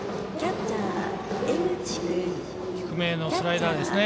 低めへのスライダーですね。